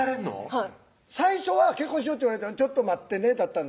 はい最初は「結婚しよう」って言われて「ちょっと待ってね」だったんです